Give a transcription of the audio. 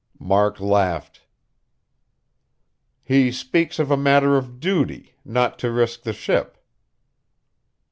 Mark laughed. "He speaks of a matter of duty, not to risk the ship."